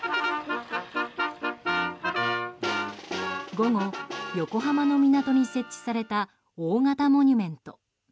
午後、横浜の港に設置された大型モニュメント。